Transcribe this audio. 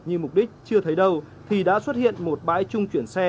như mục đích chưa thấy đâu thì đã xuất hiện một bãi chung chuyển xe